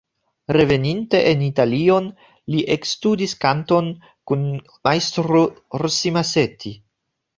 Reveninte en Italion li ekstudis kanton kun Majstro Rossi-Masetti.